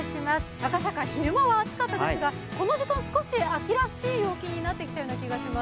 赤坂、昼間は暑かったですがこの時間、少し秋らしい陽気になってきた気がします。